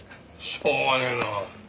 しょうがねえなあ。